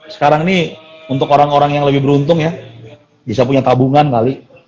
sekarang ini untuk orang orang yang lebih beruntung ya bisa punya tabungan kali